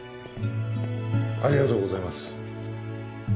ありがとうございます。